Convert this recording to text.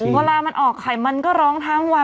เวลามันออกไข่มันก็ร้องทั้งวัน